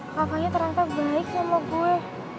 kakaknya terang terang baik sama gue